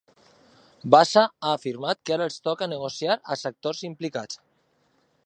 Bassa ha afirmat que ara els toca negociar als actors implicats.